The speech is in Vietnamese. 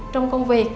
trong công việc